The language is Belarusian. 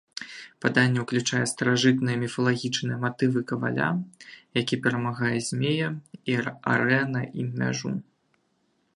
Паданне ўключае старажытныя міфалагічныя матывы каваля, які перамагае змея і арэ на ім мяжу.